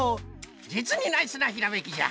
じつにナイスなひらめきじゃ。